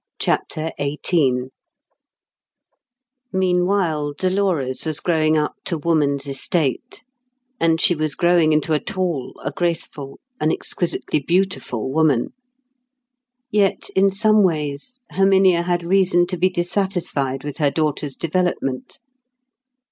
CHAPTER XVIII Meanwhile, Dolores was growing up to woman's estate. And she was growing into a tall, a graceful, an exquisitely beautiful woman. Yet in some ways Herminia had reason to be dissatisfied with her daughter's development.